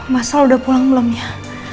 masa lu udah pulang belum ya